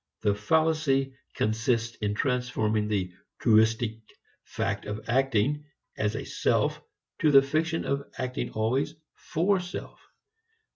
The fallacy consists in transforming the (truistic) fact of acting as a self into the fiction of acting always for self.